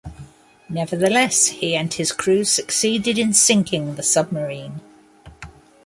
Nevertheless he and his crew succeeded in sinking the submarine.